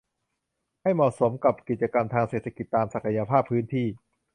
ให้เหมาะสมกับกิจกรรมทางเศรษฐกิจตามศักยภาพพื้นที่